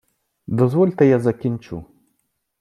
Дозвольте, я закінчу!